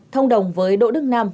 thông đồng với đỗ đức nam